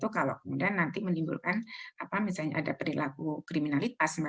kalau kemudian nanti menimbulkan misalnya ada perilaku kriminalitas